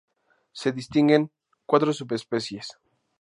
Se distinguen cuatro subespecies.